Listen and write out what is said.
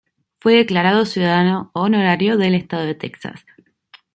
Fue declarado ciudadano honorario del estado de Texas.